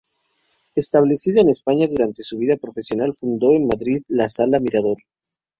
Establecida en España durante su vida profesional, fundó en Madrid la Sala Mirador.